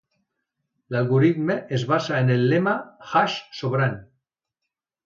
L'algoritme es basa en el lema hash sobrant.